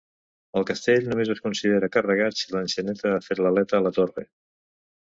El castell només es considera carregat si l'enxaneta a fet l'aleta a la torre.